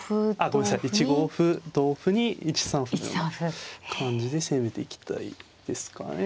あごめんなさい１五歩同歩に１三歩のような感じで攻めていきたいですかね。